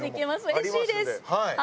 うれしいです。